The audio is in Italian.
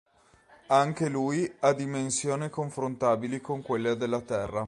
Anche lui ha dimensioni confrontabili con quelle della Terra.